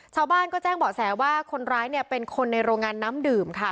ชาวบ้านก็แจ้งเบาะแสว่าคนร้ายเนี่ยเป็นคนในโรงงานน้ำดื่มค่ะ